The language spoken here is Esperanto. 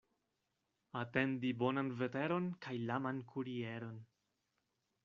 Atendi bonan veteron kaj laman kurieron.